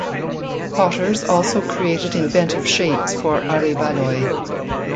Potters also created inventive shapes for aryballoi.